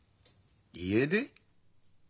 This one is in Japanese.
家出？